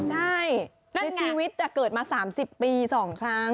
ใช่ในชีวิตแต่เกิดมา๓๐ปี๒ครั้ง